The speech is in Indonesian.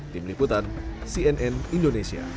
tim liputan cnn indonesia